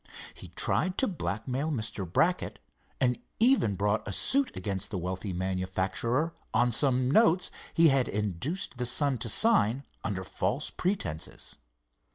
He tried to blackmail Mr. Brackett, and even brought a suit against the wealthy manufacturer on some notes he had induced the son to sign under false pretences.